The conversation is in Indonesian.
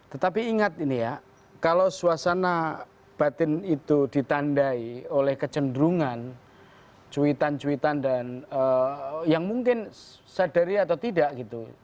tetapi ingat ini ya kalau suasana batin itu ditandai oleh kecenderungan cuitan cuitan dan yang mungkin sadari atau tidak gitu